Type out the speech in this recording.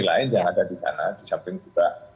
lain yang ada di sana di samping juga